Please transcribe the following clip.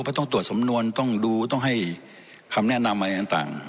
เพราะต้องตรวจสำนวนต้องดูต้องให้คำแนะนำอะไรต่าง